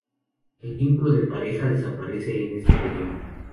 El vínculo de pareja desaparece en este periodo.